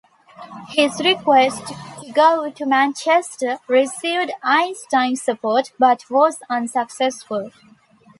His request to go to Manchester received Einstein's support but was unsuccessful.